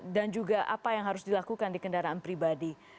dan juga apa yang harus dilakukan di kendaraan pribadi